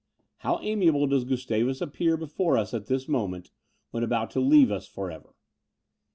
How amiable does Gustavus appear before us at this moment, when about to leave us for ever!